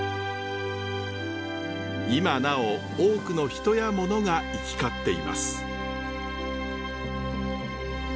今なお多くの人や物が行き交っています。